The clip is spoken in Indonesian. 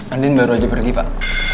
andin baru aja pergi pak